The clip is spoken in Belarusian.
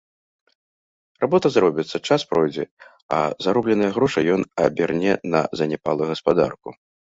Работа зробіцца, час пройдзе, а заробленыя грошы ён аберне на заняпалую гаспадарку.